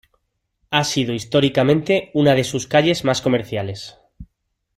Ha sido históricamente una de sus calles más comerciales.